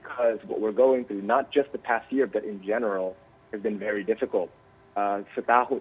karena apa yang kita lakukan bukan hanya tahun lalu tapi secara umum sangat sulit